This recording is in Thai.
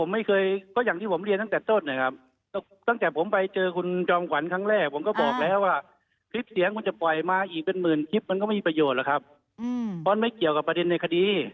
ไม่มีประโยชน์หรอกครับเพราะไม่เกี่ยวกับประเด็นในคดี